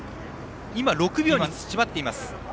今、６秒に縮まっています。